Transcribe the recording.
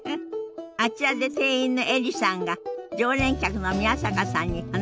あちらで店員のエリさんが常連客の宮坂さんに話しかけてるわね。